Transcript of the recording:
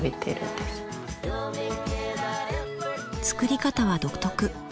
作り方は独特。